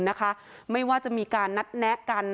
นะคะไม่ว่าจะมีการนัดแนะกัน